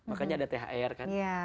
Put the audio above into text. makanya ada thr kan